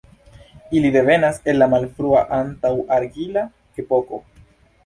Ili devenas el la malfrua, antaŭ-argila epoko.